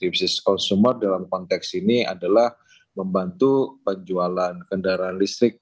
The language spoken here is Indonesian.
bisnis consumer dalam konteks ini adalah membantu penjualan kendaraan listrik